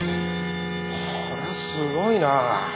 これはすごいな。